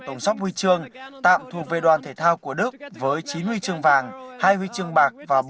tổng sắp huy chương tạm thuộc về đoàn thể thao của đức với chín huy chương vàng hai huy chương bạc và